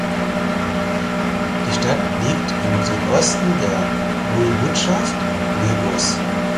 Die Stadt liegt im Südosten der Woiwodschaft Lebus.